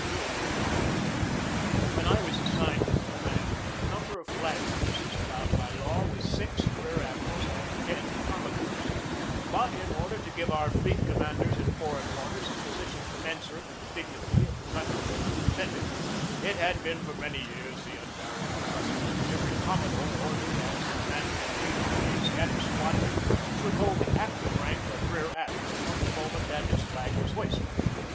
COMMAND OF ASIATIC SQUADRON 173 When I was assigned to the command the num ber of flag officers allowed by law was six rear ad mirals and ten commodores; but in order to give our fleet commanders in foreign waters a position commensurate with the dignity of the country they represented, it had been for many years the unvary ing custom that every commodore ordered as com mander in chief of the Asiatic Squadron should hold the acting rank of rear admiral from the moment that his flag was hoisted.